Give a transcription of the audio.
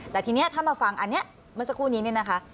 แต่ทีนี้ถ้านี้มันจะคุณินนะคะ